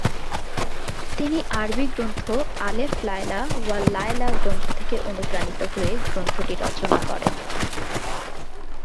তিনি আরবি গ্রন্থ আলেফ-লায়লা ওয়া লায়লা গ্রন্থ থেকে অনুপ্রাণিত হয়ে গ্রন্থটি রচনা করেন।